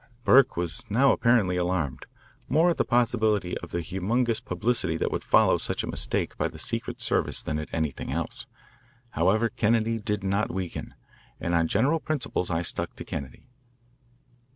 Burke was now apparently alarmed more at the possibility of the humorous publicity that would follow such a mistake by the secret service than at anything else. However, Kennedy did not weaken, and on general principles I stuck to Kennedy.